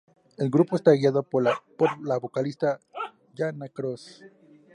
El grupo está guiado por la vocalista Jana Gross.